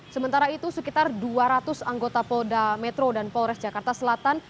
sementara itu sekitar dua ratus anggota polda metro dan polres jakarta selatan